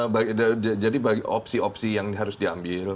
maka ini jadi bagi opsi opsi yang harus diambil